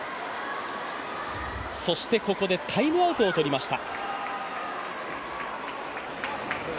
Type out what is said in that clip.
ここでタイムアウトをとりました。